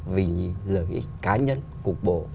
vì lợi ích cá nhân cục bộ